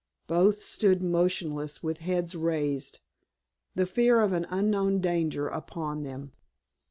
Both stood motionless with heads raised, the fear of an unknown danger upon them.